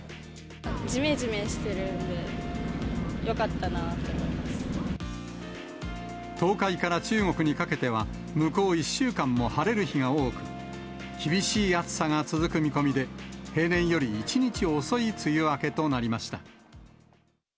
じめじめしてるんで、よかっ東海から中国にかけては、向こう１週間も晴れる日が多く、厳しい暑さが続く見込みで、平年より１日遅い梅雨明けとなりました。